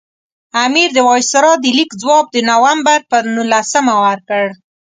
امیر د وایسرا د لیک ځواب د نومبر پر نولسمه ورکړ.